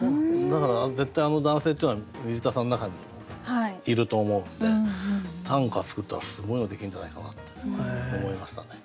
だから絶対あの男性っていうのは水田さんの中にもいると思うんで短歌作ったらすごいのできるんじゃないかなって思いましたね。